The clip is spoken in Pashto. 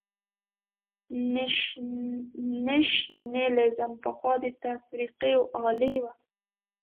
نېشنلېزم پخوا د تفرقې الې وه.